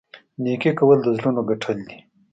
نیکي کول د زړونو ګټل دي.